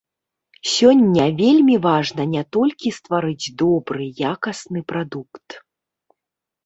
Сёння вельмі важна не толькі стварыць добры, якасны прадукт.